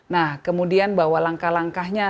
nah kemudian bahwa langkah langkahnya